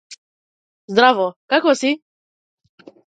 Здраво. Како си?